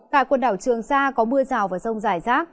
tại quần đảo trường sa có mưa rào và rông rải rác